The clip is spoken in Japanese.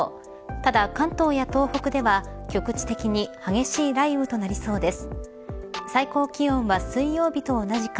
ただ関東や東北では局地的に激しい雷雨となりそうです。